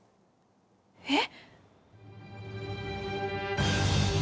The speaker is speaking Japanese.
えっ！？